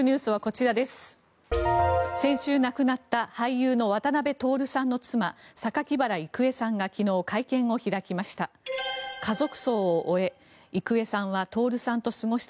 先週亡くなった俳優の渡辺徹さんの妻榊原郁恵さんが昨日、会見を開きました。